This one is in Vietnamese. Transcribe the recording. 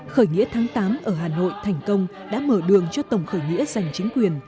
khởi nghĩa tháng tám ở hà nội thành công đã mở đường cho tổng khởi nghĩa giành chính quyền